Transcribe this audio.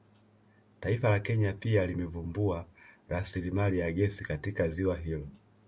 Taifa la Kenya pia limevumbua rasilimali ya gesi katika ziwa hilo